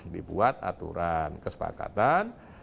dibuat aturan kesepakatan